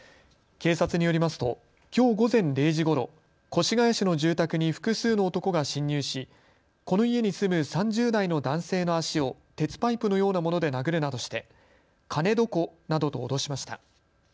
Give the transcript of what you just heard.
警察によりますときょう午前０時ごろ、越谷市の住宅に複数の男が侵入しこの家に住む３０代の男性の足を鉄パイプのようなもので殴るなどして金どこなどと脅しました。